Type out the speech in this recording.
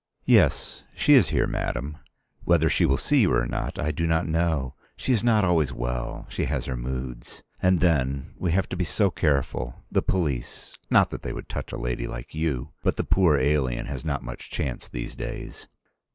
"Yes, she is here, madam. Whether she will see you or not I do not know. She is not always well; she has her moods. And then, we have to be so careful. The police—Not that they would touch a lady like you. But the poor alien has not much chance these days."